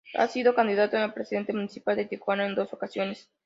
Ha sido candidato a Presidente Municipal de Tijuana en dos ocasiones.